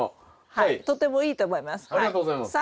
はいとてもいいと思います。